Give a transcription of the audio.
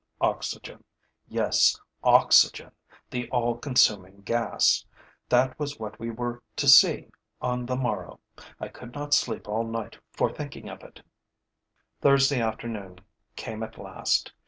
Oxygen, yes, oxygen, the all consuming gas; that was what we were to see on the morrow. I could not sleep all night for thinking of it. Thursday afternoon came at last.